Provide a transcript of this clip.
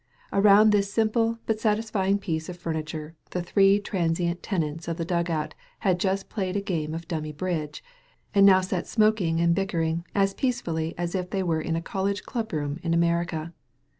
Around this simple but satisfying piece of furniture the three transient tenants of the dug out had just played a game of dummy bridge, and now sat smoking and bickering as peacefully as if they were in a college dub room in America.